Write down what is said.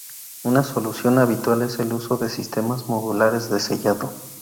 Una solución habitual es el uso de sistemas modulares de sellado.